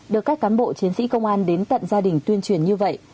được các cán bộ chiến sĩ công an đến tận gia đình tuyên truyền như vậy